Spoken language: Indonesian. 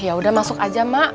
ya udah masuk aja mbak